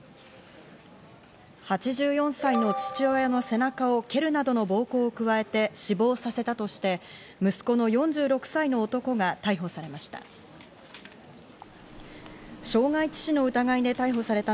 ８４歳の父親の背中を蹴るなどの暴行を加えて死亡させたとして、息子の４６歳の男が逮捕されました。